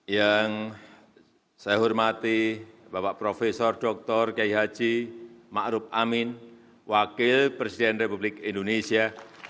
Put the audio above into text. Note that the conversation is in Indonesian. yang saya hormati bapak profesor dr gai haji ma'ruf amin wakil presiden republik indonesia